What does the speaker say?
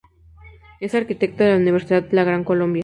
Es arquitecto de la Universidad La Gran Colombia.